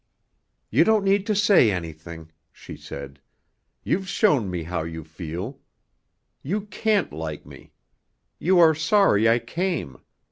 "You don't need to say anything," she said, "You've shown me how you feel. You can't like me. You are sorry I came.